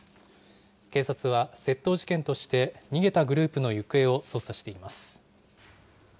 警察は窃盗事件として、逃げたグループの行方を捜査しています。